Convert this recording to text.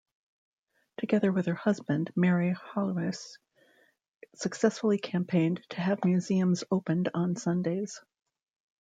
Together with her husband, Mary Haweis successfully campaigned to have museums opened on Sundays.